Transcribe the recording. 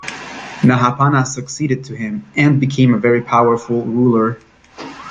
Nahapana succeeded to him, and became a very powerful ruler.